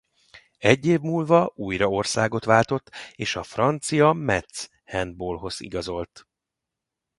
Egy év múlva újra országot váltott és a francia Metz Handballhoz igazolt.